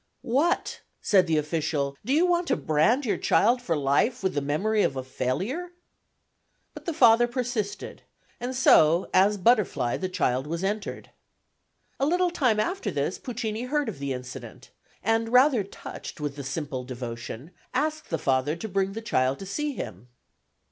"What!" said the official, "do you want to brand your child for life with the memory of a failure?" But the father persisted, and so as Butterfly the child was entered. A little time after this Puccini heard of the incident, and rather touched with the simple devotion, asked the father to bring the child to see him.